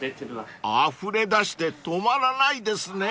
［あふれ出して止まらないですね］